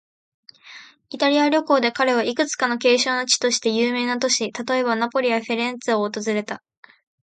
イタリア旅行で彼は、いくつか景勝の地として有名な都市、例えば、ナポリやフィレンツェを訪れた。